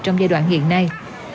trong giai đoạn hiện nay